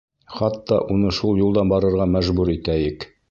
Хатта уны шул юлдан барырға мәжбүр итәйек.